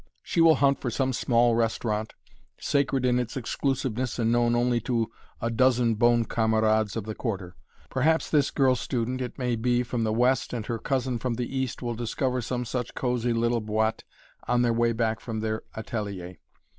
She will hunt for some small restaurant, sacred in its exclusiveness and known only to a dozen bon camarades of the Quarter. Perhaps this girl student, it may be, from the West and her cousin from the East will discover some such cosy little boîte on their way back from their atelier.